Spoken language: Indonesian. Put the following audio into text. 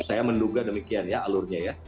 saya menduga demikian ya alurnya ya